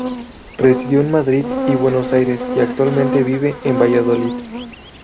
Residió en Madrid y Buenos Aires, y actualmente vive en Valladolid.